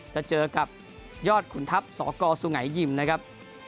จะเจอกับยอดขุนทัพสกสุงัยยิมนะครับ